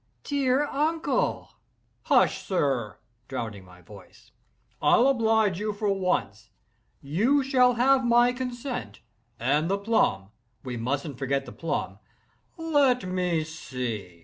"Dear uncle!" "Hush, sir!" (drowning my voice)—"I'll oblige you for once. You shall have my consent—and the plum, we mus'n't forget the plum—let me see!